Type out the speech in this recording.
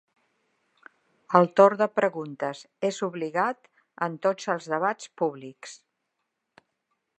El torn de preguntes és obligat en tots els debats públics.